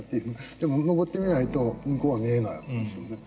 でも登ってみないと向こうは見えない訳ですよね。